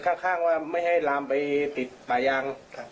ข้างว่าไม่ให้ลามไปติดป่ายาง